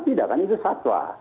tidak kan itu satwa